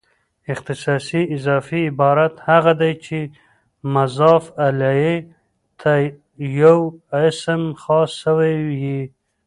اختصاصي اضافي عبارت هغه دئ، چي مضاف الیه ته یو اسم خاص سوی يي.